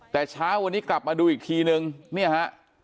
แต่เช้าวันนี้กลับมาดูอีกทีนึงเนี่ยฮะ